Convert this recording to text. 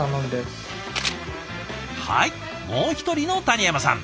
はいもう一人の谷山さん。